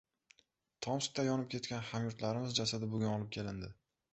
Tomskda yonib ketgan hamyurtlarimiz jasadi bugun olib kelindi